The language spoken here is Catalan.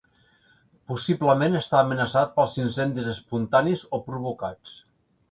Possiblement està amenaçat pels incendis espontanis o provocats.